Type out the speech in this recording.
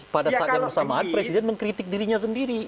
pada saat yang bersamaan presiden mengkritik dirinya sendiri